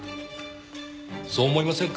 そう思いませんか？